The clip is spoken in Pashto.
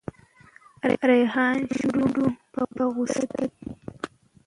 ریحان شونډو په غوسه دی.